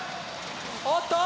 おっと！